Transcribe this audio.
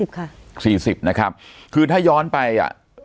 ๔๐ค่ะ๔๐นะครับคือถ้าย้อนไปอ่ะ